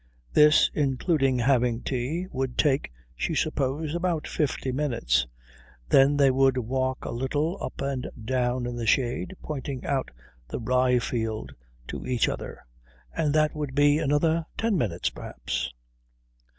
This, including having tea, would take, she supposed, about fifty minutes. Then they would walk a little up and down in the shade, pointing out the rye field to each other, and that would be another ten minutes perhaps.